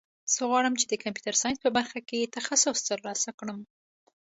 زه غواړم چې د کمپیوټر ساینس په برخه کې تخصص ترلاسه کړم